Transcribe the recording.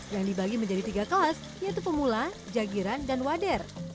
yang dibagi menjadi tiga kelas yaitu pemula jagiran dan wader